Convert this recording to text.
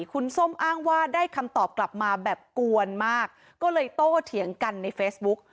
คุณส้มอ้างว่าได้คำตอบกลับมาแบบกวนมากก็เลยโตเถียงกันในเฟซบุ๊ก